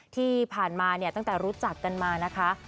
ที่ผ่านมาเนี่ยตั้งแต่รู้จักกันมานะคะ